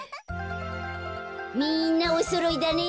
みんなおそろいだね。